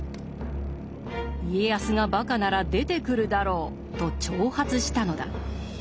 「家康が馬鹿なら出てくるだろう」と挑発したのだ。